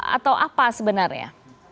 atau apa sebenarnya